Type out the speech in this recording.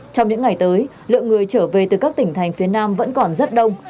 trong những ngày tới lượng người trở về từ các tỉnh thành phía nam vẫn còn rất đông